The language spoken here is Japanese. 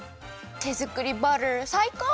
てづくりバターさいこう！